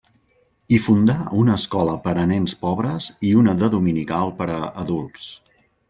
Hi fundà una escola per a nens pobres i una de dominical per a adults.